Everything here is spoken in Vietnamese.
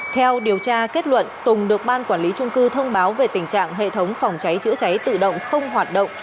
theo điều tra kết luận tùng được ban quản lý trung cư thông báo về tình trạng hệ thống phòng cháy chữa cháy tự động không hoạt động